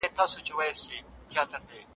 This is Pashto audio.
ایا موږ د رسول الله په سنتو عمل کوو؟